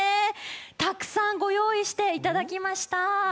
たくさんご用意していただきました。